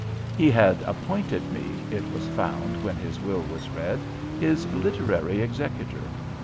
He had appointed me, it was found when his will was read, his literary executor.